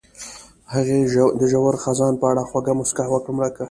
هغې د ژور خزان په اړه خوږه موسکا هم وکړه.